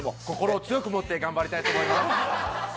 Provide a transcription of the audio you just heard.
心を強く持って頑張りたいと思います。